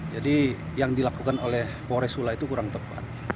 jadi yang dilakukan oleh polres sula itu kurang tepat